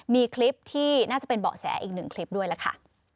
มีคลิปที่น่าจะเป็นเบาะแสอีกหนึ่งคลิปด้วยล่ะค่ะ